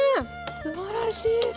すばらしい。